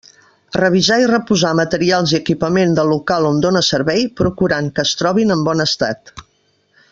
Revisar i reposar materials i equipament del local on dóna servei, procurant que es trobin en bon estat.